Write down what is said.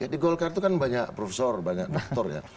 di golkar itu kan banyak profesor banyak doktor ya